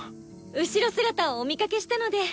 後ろ姿をお見かけしたので。